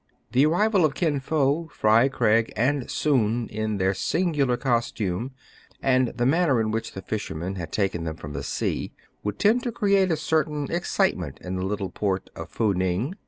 The arrival of Kin Fo, Fry Craig, and Soun in their singular costume, and the manner in which the fishermen had taken them from the sea, would tend to create a certain excitement in the little port of Fou Ning.